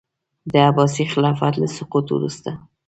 د عباسي خلافت له سقوط وروسته.